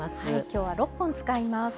今日は６本使います。